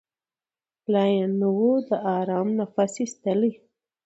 لا یې نه وو د آرام نفس ایستلی